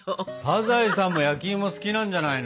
サザエさんも焼きいも好きなんじゃないの。